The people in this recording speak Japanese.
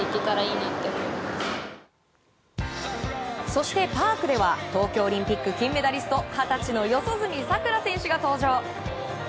そしてパークでは東京オリンピック金メダリスト二十歳の四十住さくら選手が登場。